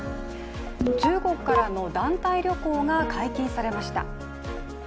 中国からの団体旅行が解禁されました。